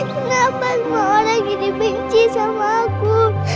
kenapa semua orang ini dibenci sama aku